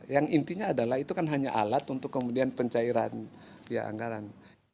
yang intinya adalah itu kan hanya alat untuk kemudian pencairan anggaran